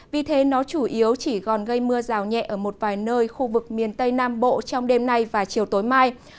vì thế nó chủ yếu chỉ còn gây mưa rào nhẹ ở một vài nơi khu vực miền tây nam bộ trong đêm nay và chiều tối mai